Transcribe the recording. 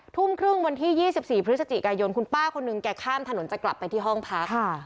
ทุ่มครึ่งวันที่๒๔พฤศจิกายนคุณป้าคนหนึ่งแกข้ามถนนจะกลับไปที่ห้องพัก